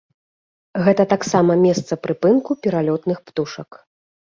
Гэта таксама месца прыпынку пералётных птушак.